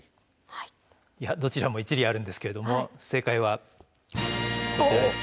いやどちらも一理あるんですけれども正解はこちらです。